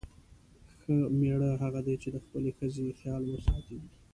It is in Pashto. ښه میړه هغه دی چې د خپلې ښځې خیال وساتي.